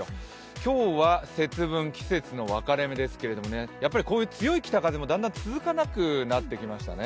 今日は節分、季節の分かれ目ですけれども、こういう強い北風もだんだん続かなくなってきましたね。